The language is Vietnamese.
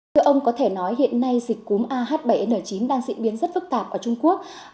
thưa ông có thể nói hiện nay dịch cúm ah bảy n chín đang diễn biến rất phức tạp ở trung quốc